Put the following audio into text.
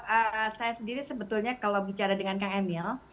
eee saya sendiri sebetulnya kalau bicara dengan kang emil